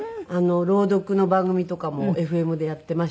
朗読の番組とかもＦＭでやっていまして。